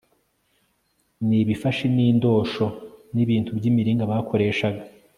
n ibifashi n indosho n ibintu by imiringa bakoreshaga